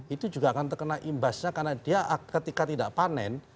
itu juga akan terkena imbasnya karena dia ketika tidak panen